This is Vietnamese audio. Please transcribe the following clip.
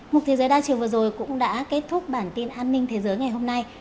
một thế giới đa chiều vừa rồi cũng đã kết thúc bản tin an ninh thế giới ngày hôm nay